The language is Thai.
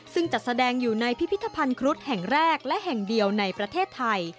ซึ่งจัดแสดงอยู่ในพิพิธภัณฑ์ครุฑแห่งแรกและแห่งเดียวในประเทศไทย